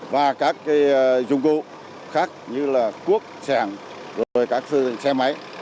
và các dụng cụ khác như là cuốc xe hàng rồi các xe máy